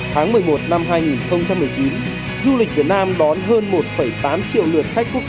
tháng một mươi một năm hai nghìn một mươi chín du lịch việt nam đón hơn một tám triệu lượt khách quốc